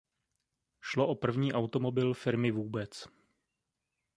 Šlo o první automobil firmy vůbec.